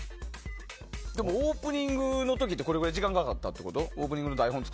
でもオープニングの時ってこれくらい時間かかったってこと？